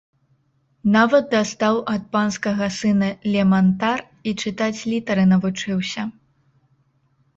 Нават дастаў ад панскага сына лемантар і чытаць літары навучыўся.